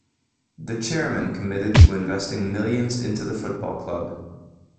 The chairman committed to investing millions into the football club.